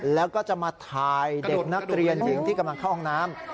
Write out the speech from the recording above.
แล้วก็จะมาถ่ายเด็กนักเรียนหญิงที่กำลังเข้าห้องน้ำ